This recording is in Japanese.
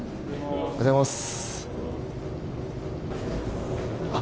おはようございます。